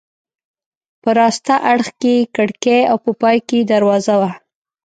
په راسته اړخ کې یې کړکۍ او په پای کې یې دروازه وه.